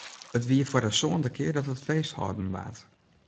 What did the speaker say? It wie foar de sânde kear dat it feest hâlden waard.